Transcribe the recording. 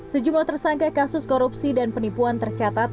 sejumlah tersangka kasus korupsi dan penipuan tercatat